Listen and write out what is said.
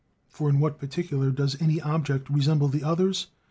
For in what particular does any object resemble the others?